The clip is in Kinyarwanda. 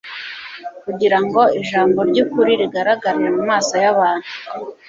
kugira ngo ijambo ry'ukuri rigaragarire mu maso y'abantu.